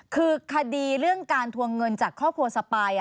คือคดีเรื่องการทวงเงินจากครอบครัวสปาย